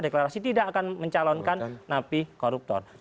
deklarasi tidak akan mencalonkan napi koruptor